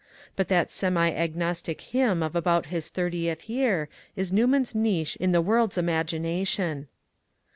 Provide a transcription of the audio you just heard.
But that semi agnostic hymn of about his thirtieth year is Newman's niche in the world's imagination.